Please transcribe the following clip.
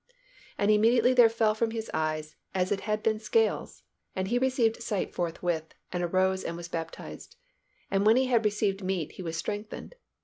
And immediately there fell from his eyes as it had been scales: and he received sight forthwith, and arose, and was baptized. And when he had received meat, he was strengthened....